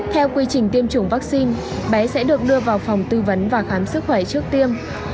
theo quy trình tiêm chủng vaccine bé sẽ được đưa vào phòng tư vấn và khám sức khỏe trước tiên